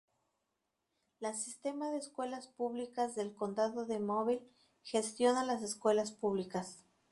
La Sistema de Escuelas Públicas del Condado de Mobile gestiona las escuelas públicas.